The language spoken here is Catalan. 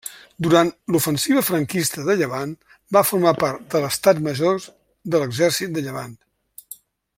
Durant l'ofensiva franquista de Llevant va formar part de l'Estat major de l'Exèrcit de Llevant.